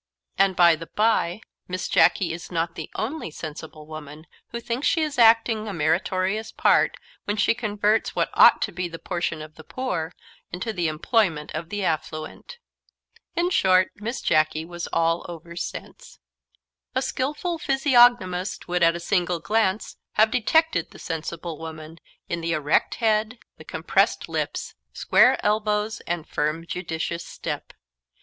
And, by the bye, Miss Jacky is not the only sensible woman who thinks she is acting a meritorious part when she converts what ought to be the portion of the poor into the employment of the affluent. In short, Miss Jacky was all over sense. A skilful physiognomist would, at a single glance, have detected the sensible woman, in the erect head, the compressed lips, square elbows, and firm judicious step.